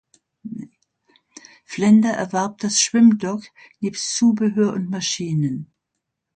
Flender erwarb das Schwimmdock nebst Zubehör und Maschinen.